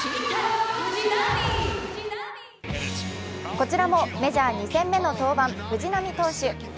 こちらもメジャー２戦目の登板、藤浪投手。